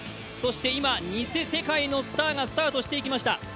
そして今、ニセ世界のスターがスタートしていきました。